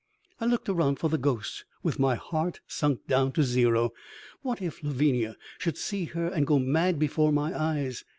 I looked around for the ghost with my heart sunk down to zero. What if Lavinia should see her and go mad before my eyes!